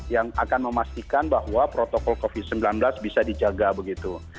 yang akan memastikan bahwa protokol covid sembilan belas bisa dijaga begitu